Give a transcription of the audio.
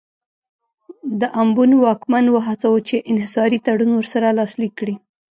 د امبون واکمن وهڅاوه چې انحصاري تړون ورسره لاسلیک کړي.